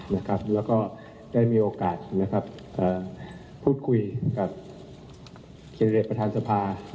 แล้วก็ได้มีโอกาสพูดคุยกับแคนดิเดตประธานสภา